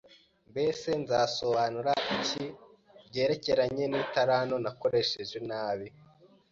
Mbese nzasobanura iki ku byerekeranye n’italanto nakoresheje nabi,